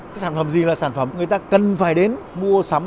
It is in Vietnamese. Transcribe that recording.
cái sản phẩm gì là sản phẩm người ta cần phải đến mua sắm